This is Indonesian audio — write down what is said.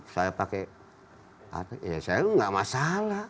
saya pakai ya saya itu tidak masalah